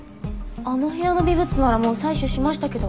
あの部屋の微物ならもう採取しましたけど。